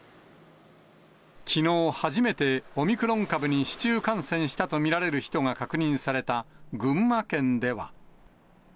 きのう初めてオミクロン株に市中感染したと見られる人が確認された群馬県では。